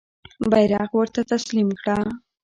بیرغ ورته تسلیم کړه.